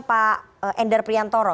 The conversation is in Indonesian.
pak ender priantoro